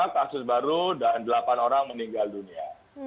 dua lima ratus dua puluh lima kasus baru dan delapan orang meninggal dunia